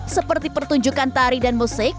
seperti pertunjukan tari dan musik